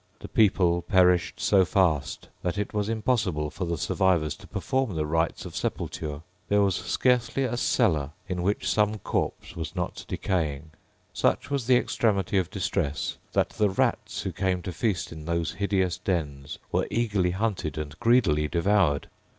The people perished so fast that it was impossible for the survivors to perform the rites of sepulture. There was scarcely a cellar in which some corpse was not decaying. Such was the extremity of distress, that the rats who came to feast in those hideous dens were eagerly hunted and greedily devoured.